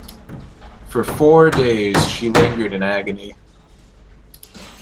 For four days she lingered in agony.